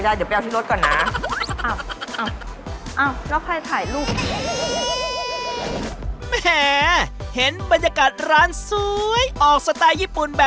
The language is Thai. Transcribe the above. มันจะดีนะคะขอบคุณค่ะ